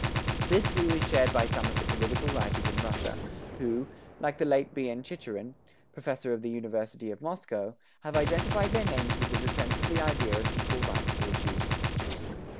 This view is shared by some of the political writers in Russia who, like the late B.N. Chicherin, Professor of the University of Moscow, have identified their names with the defence of the idea of equal rights for the Jews.